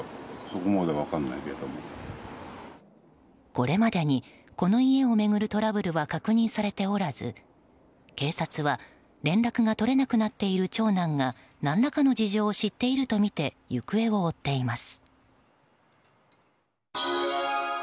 これまでに、この家を巡るトラブルは確認されておらず警察は連絡が取れなくなっている長男が何らかの事情を知っているとみて行方を追っています。